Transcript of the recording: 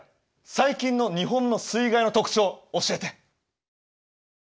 最近の日本の水害の特徴教えて。